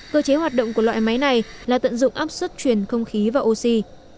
cơ chế hoạt động của loại máy này là tận dụng áp suất truyền không khí và oxy